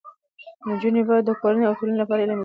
نجونې باید د کورنۍ او ټولنې لپاره علم زده کړي.